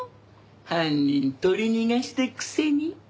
犯人取り逃がしたくせに。